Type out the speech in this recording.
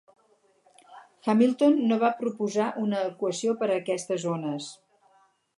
Hamilton no va proposar una equació per a aquestes ones.